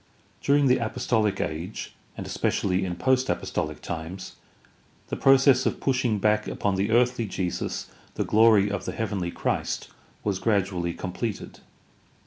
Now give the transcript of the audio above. During the Apostolic Age, and especially in post apostolic times, the process of pushing back upon the earthly Jesus the glory of the heavenly Christ was gradually completed.